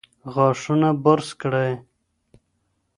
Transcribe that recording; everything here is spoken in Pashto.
غاښونه برس کړئ.